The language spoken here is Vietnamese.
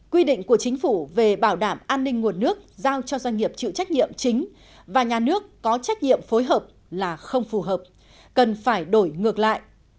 quy định của chính phủ về bảo đảm an ninh nguồn nước giao cho doanh nghiệp chịu trách nhiệm chính và nhà nước có trách nhiệm phối hợp là không phù hợp cần phải đổi ngược lại